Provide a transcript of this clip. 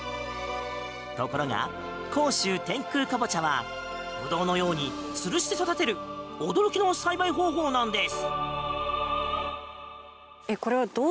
ところが、甲州天空かぼちゃはブドウのようにつるして育てる驚きの栽培法なんです。